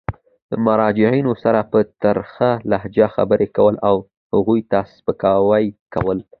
د مراجعینو سره په ترخه لهجه خبري کول او هغوی ته سپکاوی کول.